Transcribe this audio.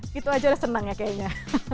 gitu aja udah seneng ya kayaknya